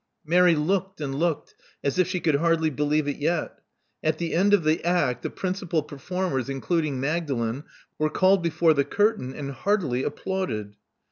Mary looked and looked, as if she could hardly believe it yet. At the end of the act, the principal performers, including Magdalen, were called before the curtain and heartily applauded.